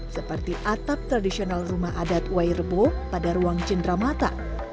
seperti atap tradisional rumah adat wairbo pada ruang cendramata